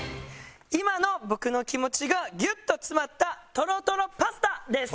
今の僕の気持ちがギュッとつまったトロトロパスタです！